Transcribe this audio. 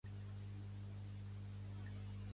Quan els retornaran al Marroc?